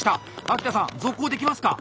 秋田さん続行できますか？